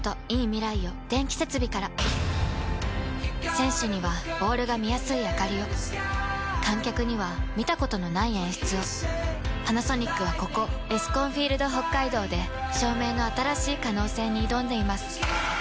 選手にはボールが見やすいあかりを観客には見たことのない演出をパナソニックはここエスコンフィールドＨＯＫＫＡＩＤＯで照明の新しい可能性に挑んでいます